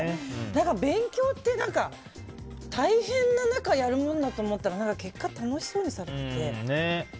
勉強って大変な中やるもんだと思ったら結果、楽しそうにされてて。